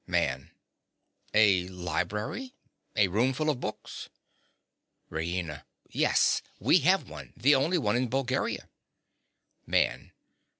MAN. A library? A roomful of books. RAINA. Yes, we have one, the only one in Bulgaria. MAN.